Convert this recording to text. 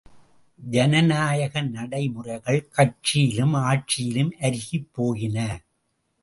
ஜனநாயக நடை முறைகள் கட்சியிலும் ஆட்சியிலும் அருகிப் போயின.